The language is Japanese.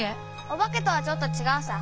お化けとはちょっと違うさ。